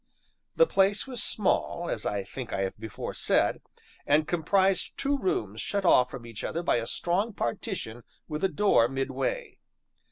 The place was small, as I think I have before said, and comprised two rooms shut off from each other by a strong partition with a door midway.